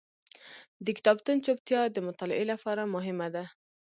د کتابتون چوپتیا د مطالعې لپاره مهمه ده.